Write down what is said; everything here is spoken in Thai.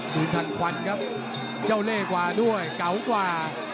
ดูทันควันครับเจ้าเล่กว่าด้วยเก่ากว่า